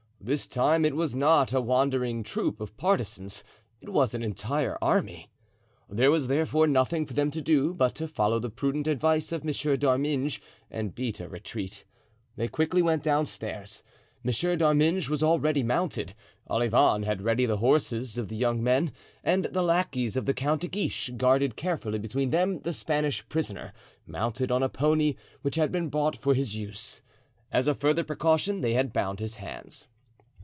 This time it was not a wandering troop of partisans; it was an entire army. There was therefore nothing for them to do but to follow the prudent advice of Monsieur d'Arminges and beat a retreat. They quickly went downstairs. Monsieur d'Arminges was already mounted. Olivain had ready the horses of the young men, and the lackeys of the Count de Guiche guarded carefully between them the Spanish prisoner, mounted on a pony which had been bought for his use. As a further precaution they had bound his hands.